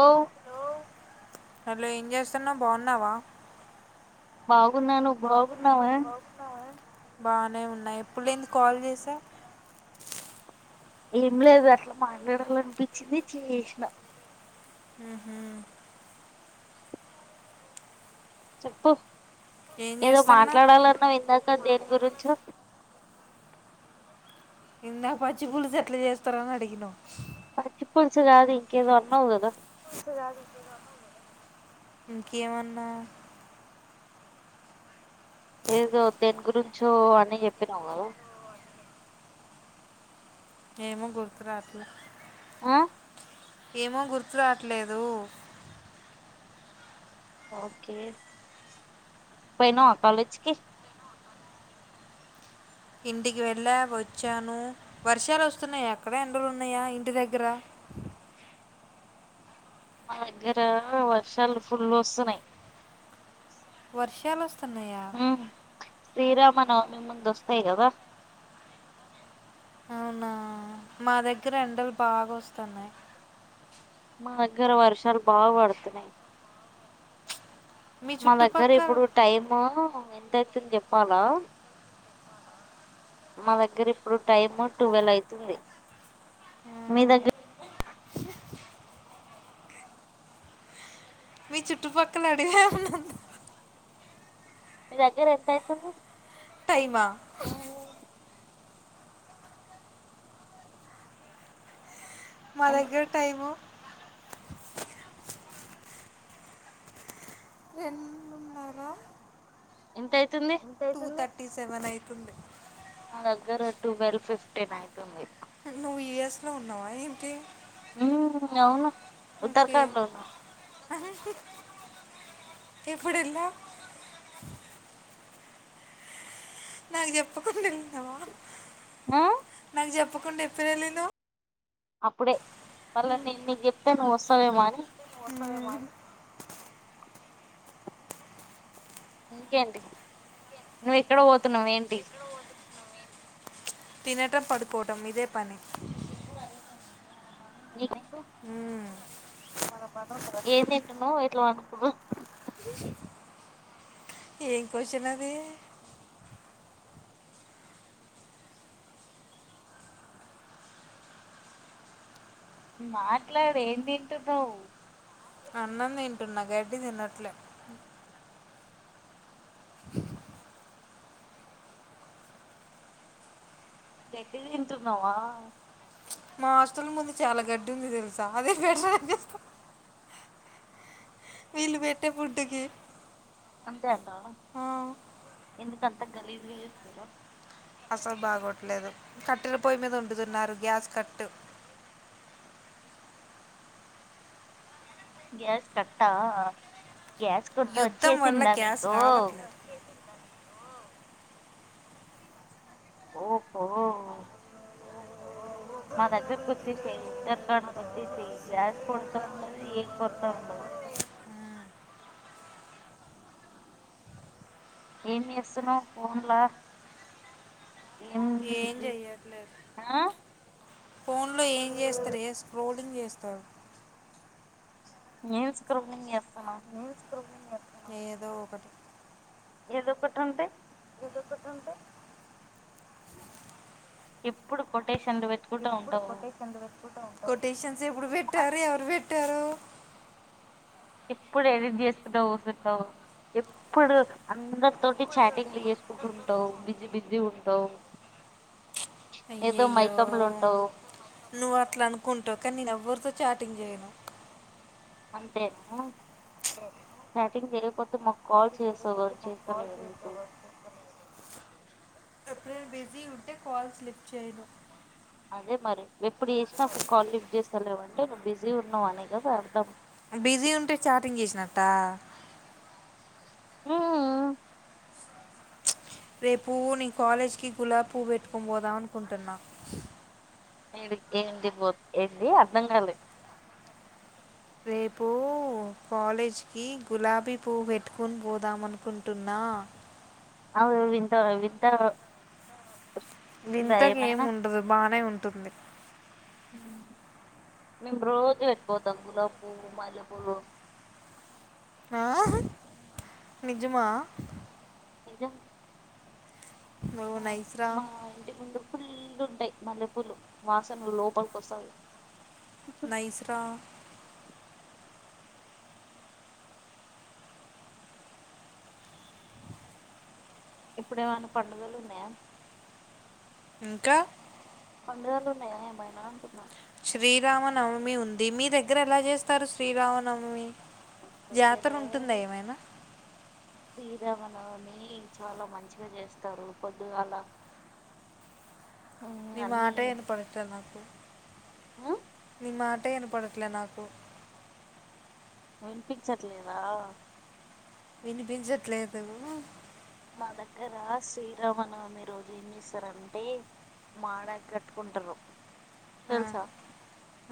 ఓహో. హలో ఏం చేస్తున్నావ్ బాగున్నావా. బావ్ బాగున్నాను నువ్వు బాగున్నావా. బానే ఉన్నాయి. ఎప్పుడు లేంది కాల్ చేసావ్. ఏం లేదు అట్లా మాట్లాడాలనిపించింది చేసినా. ఉమ్మ్. చెప్పు. ఏం ఏదో చేస్తున్నా మాట్లాడాలన్నావ్ ఇందాక దేని గురించి. అచ్చు ఇందాక పచ్చి పూలుసు ఎట్లా చేస్తారని అడిగినవ్. పచ్చి పులుసు కాదు ఇంకేదో అన్నావు కదా. ఇంకేమన్నా. ఏదో దేని గురించో అని చెప్పినావ్ కదా. ఏమో గుర్తు రావట్లే. ఆ ఏమో గుర్తు రావట్లే ఓకే పోయినవా కాలేజ్కి ఇంటికి వెళ్ళ వచ్చాను, వర్షాలు వస్తున్నాయా అక్కడ ఎండలు ఉన్నాయా ఇంటి దగ్గర మా దగ్గర వర్షాలు ఫుల్ వస్తున్నాయి వర్షాలు వస్తు వత్తాన్నాయా ఉమ్, శ్రీరామనవమి ముందు వస్తాయి కదా అవునా మా దగ్గర ఎండలు బాగా వస్తాన్నాయి మా దగ్గర వర్షాలు బాగ పడుతున్నాయి మీ మా దగ్గర చుట్టుపక్కల ఇప్పుడు టైమ్ ఎంత అవుతు తు [unintelligible] న్ చెప్పాలా మా దగ్గర ఇప్పుడు టైమ్ టువెల్ అయితుంది మీ దగ్గర మీ చుట్టుపక్కల అడివే ఉందాన్న మీ దగ్గర ఎంత అయితుంది టైమా సైవా [inaudible] మా దగ్గర టైము రెండున్నర ఎంత అయితుంది తీ సెవెన్ అయితుంది మా దగ్గర ట్వెల్వ్ ఫిఫ్టీన్ అయితుంది నువ్వు యూఎస్ లో ఉన్నావా ఏంటి ఉ అవును ఓకే ఉత్తరాఖండ్ లో ఉన్నా ఎప్పుడు ఎల్లావ్ నాకు చెప్పకుండా ఎల్లినావా ఆ నాకు చెప్ చెప్పకుండా ఎప్పుడు ఎల్లినవ్ అప్పుడే మళ్ళా నేను నీకు చెప్తే నువ్వు వస్తావేమో అని మ్మ్. ఇంకేంటి నువ్ ఇక్కడ పోతున్నావ్ ఏంటి? తినటం పడుకొవటం ఇదే పని నీకు అండి హ్మ్ మ్మ్ ఏమ్ తింటున్నావ్ ఎట్లా పండుకుండు ఏం క్వశన్ అది మాట్లాడు ఏం తింటున్నావు అన్నం తింటున్నా గడ్డి తిన్నట్లే గడ్డి తింటున్నావా మ్యాస్ [inaudible] మా ఇంటి ముందు చాలా గడ్డి ఉంది తెలుసా అదే బెటర్ అని చెప్తున్న వీళ్ళు పెట్టే ఫుడ్ కి అంతే అంటావాఎందుకంతా గలీజుగా చేస్తార్రు అసలు బాగోట్లేదు కట్టెల పొయ్యి మీద వండుతున్నారు గ్యాస్ కట్టు గ్యాస్ కట్టా గ్యాస్ కొరత యుద్ధం వల్ల వచ్చేసిందా నీ గ్యాస్ రావట్లేదు ఓహో మా దగ్గరకి వచ్చేసయి ఉత్తర్ ఖాండ్ కి వచ్చేసెయ్ గ్యాస్ కొరతా ఉండదు ఏం కొరూతా ఉండదు ఏం చేస్తున్నావ్ ఫోన్లో ఏం ఏంలేదు చెయ్యట్లేదు ఆ చేస్తరే స్క్రోలింగ్ చేస్తరు ఏం స్క్రోలింగ్ చేస్తున్నావ్ ఏదో ఒకటి ఏదో ఒకటి అంటే ఎప్పుడు కొటేషన్లు వెతుకుత ఉంటావ కొటేషన్స్ పెట్టుకుంటా ఉంటావా కొటేషన్స్ ఎప్పుడు పెట్టారు ఎవరు పెట్టారు ఎప్పుడు ఎడిట్ చేసుకుంటా పోతుంటావ్ ఎప్పుడు అందరి తోటి చాటింగ్లు చేసుకుంటుంటావు బిజీ బిజీ ఉంటావు ఏదో అయ్యయ్యో మైకమ్ లో ఉంటావు నువ్వు అట్లా అనుకుంటావు కానీ నేను ఎవ్వరితో చాటింగ్ చేయను అంతేనా చాటింగ్ చేయకపోతే మాకు కాల్ చేస్తావుగ చేస్తానుగ నీ బేజీ ఉంది అే కాల్స్ లిఫ్ట్ చేయను అదే మరి ఎప్పుడు చేేసినా కాల్ లిఫ్ట్ చేస్త లేవంటే నువ్వు బిజీగా ఉన్నావు అనే కదా అర్థం బిజీ ఉంటే చాటింగ్ చేసినట్ట ఆ రేపు నేను కాలేజీకి గులాబి పువ్వు పెట్టుకని పోదాం అనుకుంటున్నా మీది ఏంటి ఏంటి అర్థం కాలేదు రేపు కాలేజ్కి గులాబీ పువ్ పెట్టుకుని పోదాం ఆ అవు వింద వింత ఉందా వింతగా ఏమి ఏమైనా ఉండదు బాగానే ఉంట ట్టుంది మేము రోజు పెట్టుకపోతాం గులాబ పువ్వు మల్లెపూలు ఆ? నిజమా నిజం నువ్వు మా నైస్రా మా ఇంటి ముందు ఫుల్ ఉంటాయి మల్లి పుల్లు వాసనలు లోపలికొస్తాంది నైస్ రా ఇప్పుడ ఏమైనా పండుగలు ఉన్నాయా ఇంకా పండుగలు ఉన్నాయయా ఏమైనా అంటున్నాం శ్రీరామనవమి ఉంది మీ దగ్గర ఎలా చేస్తారు శ్రీరామనవమి జాతర ఉంటుందా దగ్గరే ఏమైనా శ్రీరామనవమి చాలా మంచిగా చేస్తారు పొద్దు అలా నీ మాట వినపడట్లే నాకు ఆ నీ మాట వినపడట్లే నాకు వినిపించట్లేదా వినిపించట్లేదు మా దగ్గర శ్రీరామనవమి రోజు ఏమి చేస్తారంటే మాడాకులు కట్టుకుంటారు ఆ, తెల్సా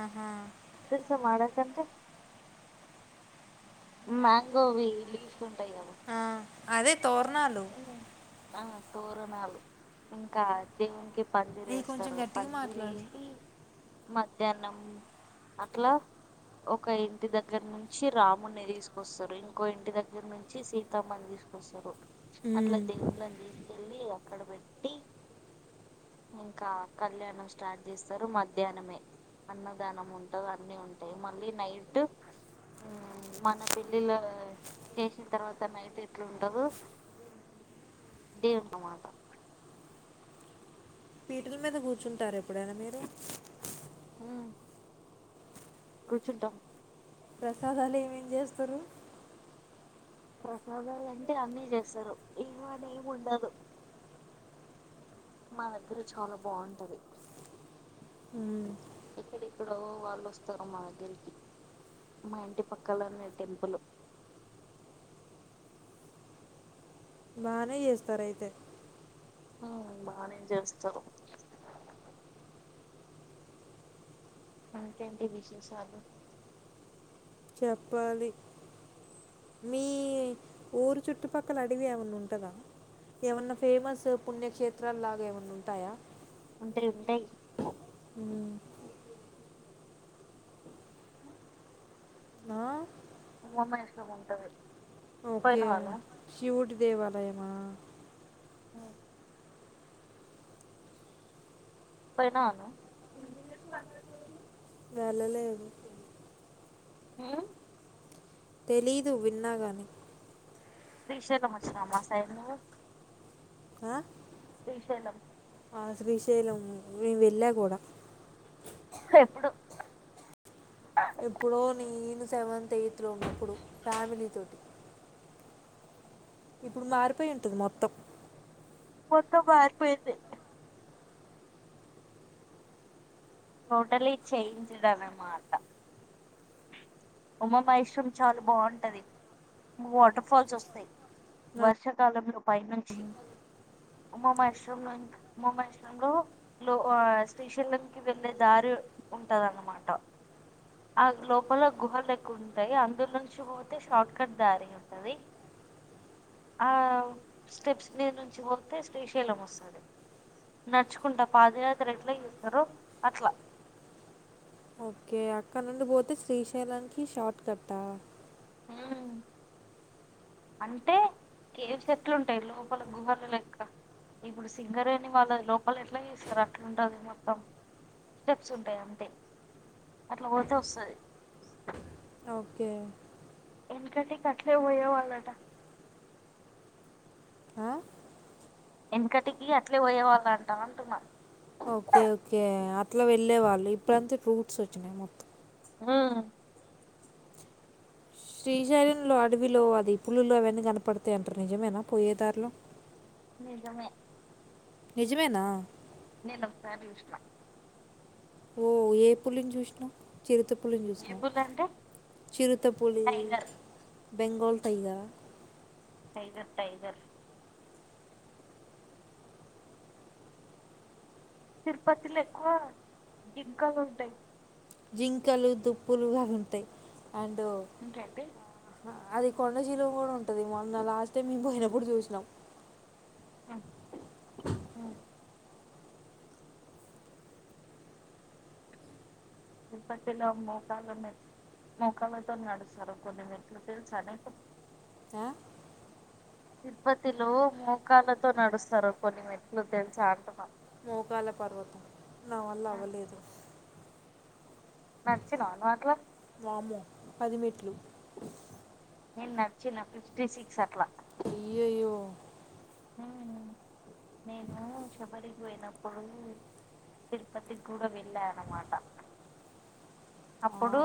ఆహా. తెల్సా మడా థాంటే మ్యాంగోవి లీవ్స్ ఉంటాయి కమా ఆ, అదే తోరణాలు ఆ తోరణాలు ఇంకా దేవునికి నీ కొంచెం పందిరేస్తారు గట్టిగా మాట్లాడు పందిరేసి మధ్యాహ్నం అట్లా ఒక ఇంటి దగ్గర నుంచి రాము్ణి తీసుకొస్తారు ఇంకో ఇంటి దగ్గర నుంచి సీతామ్మని తీసుకు సరు అట్లా మ్మ్. దేవున్లంది కళ్ళి అక్కడ పెట్టి ఇంకా కళ్యాణం స్టార్ట్ చేస్తారు మధ్యాహ్నమే అన్నదానం ఉంటంది అన్నీ ఉంటాయి మళ్ళీ నైట్ మన పళ్లిలు చేసిన తర్వాత నైట్ ఎట్లా ఉంటాధో దేర్ అనామట పీటల మీద కూర్చుంటారు ఎప్పుడైనా మీరు హ్మ్ కుర్చుంటం ప్రసాదాలు ఏమే ఏమే చేస్తారు ప్రసాదాలుంటే అన్నీ చేస్తారు ఏం అనీ ఏమి ఉండదు మా దగ్గర చాలా బాగుంటాయి మ్మ్. ఇక్కడక్కడో వాళ్ళు వస్తారు మా దగ్గరికి మా ఇంటి పక్కలనే టెంపుల్ బానే చేస్తార అయితే ఆ బానే చేస్తారు ఇంకా ఏంటీ విశేషాలు చెప్పాలి మీ ఊరు చుట్టుపక్కల అడివి ఏమన్నా ఉంటందా ఏమన్నా ఫేమస్ పుణ్యక్షేత్రాలు లాగా ఏమన్నా ఉంటాయా ఉంటయి ఉంటయి మ్మ్. ఆ? ఉమామహేశ్వరి ఉంటది ఓకే పోయినావా శివుడి దేవాలయమా ఆ పోయినవా నువు వెళ్ళలేదు ఉమ్ తెలీదు విన్నాగాని శ్రీశైలం ఒచ్చిన్నవా మా సైడు నువ్వు ఆ శ్రీశైలం ఆ శ్రీశైలం మేము వెళ్ళా కూడా ఎప్పుడు ఎప్పుడో నేను సెవెంత్ యయిత్ లో ఉన్నప్పుడు ఫ్యామిలీతోటి ఇప్పుడు మారిపోయి ఉంటుంది మొత్తం మొత్తం మారిపోయింది టోటలీ చేంజ్డ్ అన్నమాట ఉమామాహేశ్రం చాలా బాగుంటది ఉమ్ వాటర్ ఫాల్స్ వస్తాయి ఆ, వర్షాకాలంలో పై నుంచి ఉమామాహేశ్వరం ఉమామాహేశ్వరంలో లో ఆ శ్రీశైలంనికి వెళ్ళే దారి ఉంటది అన్నమాట లోపల గుహలు ఎక్కువ ఉంటాయి అందులో నుంచి పోతే షార్ట్ కట్ దారి ఉంటంది ఆ స్టెప్స్ మీద నుంచి పోతే శ్రీశైలం వస్తుంది నడుచుకుంటా పాదయాత్ర ఎట్లా చేస్తారో అట్లా ఓకే అక్కడ నుండి పోతే శ్రీశైలానికి షార్ట్ కట్టా హు అంటే గేట్స్ ఎట్లుంటాయి లోపల గుహలు లెక్క ఇప్పుడు సింగరేణి వాళ్ళు ఓకే ఎందుకంటే ఇక అట్లే పోయే వాళ్ళట ఆ? ఎనకటికి అట్లే పోయే వాళ్ళు అంటా అంటున్నా ఓకే ఓకే అట్లా వెళ్ళే వాళ్ళు ఇప్పుడంతా రూట్స్ వచ్చినాయి మొత్తం ఊ శ్రీశైలంలో అడవిలో అది పులులు అవన్నీ కనపడతాయంటారు నిజమేనా పోయేదారిలో నిజమే నిజమేనా నేను ఒకసారి చూసిన ఓ ఏ పులిని చూసినావ్ చిరుత పులిని చూసినవా ఏపుల్ అంటే చిరుత పులి టైగర్ బెంగాల్ టైగర్ ఆ టైగర్ టైగర్ తిరుపతిలో ఎక్కువ జింకలు ఉంటాయి. జింకలు దుప్పులుగా ఉంటాయి. అండ్ ఇంకేంటి అది కొండచిలువ కూడా ఉంటది మొన్న లాస్ట్ టైం మేము పోయినప్పుడు చూసినాం హు తిరుపతిలో మోకాలని మోకాలతో నడుస్తారు కొన్ని మేట్లు తెలుసు నీకు ఆ? తిరుపతిలో మోకాలతో నడుస్తారు కొన్ని మేట్లు తెలుసా అంటున్నా మోకాల పర్వతం నా వల్ల అవ్వలేదు నడిచినవా నువ్వు అట్లా వామ్మో పది మేట్లు నేను నడిచ్చిన ఫిఫ్టీ సిక్స్ అట్లా అయ్యో నేను శబరికి పోయినప్పుడు తిరుపతికి కూడా వెళ్ళాను అన్నమాట ఆ, అప్పుడు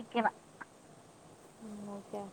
ఎక్కిన ఓకే